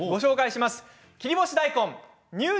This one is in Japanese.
切り干し大根入場！